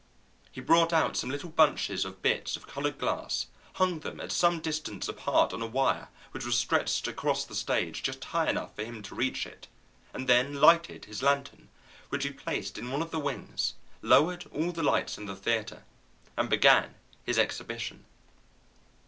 He brought out some little bunches of bits of colored glass, hung them at some distance apart on a wire which was stretched across the stage just high enough for him to reach it, and then lighted his lantern, which he placed in one of the wings, lowered all the lights in the theatre, and began his exhibition.